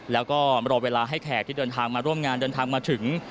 แล้วก็รอเวลาให้แขกที่เดินทางมาร่วมงานเดินทางมาถึง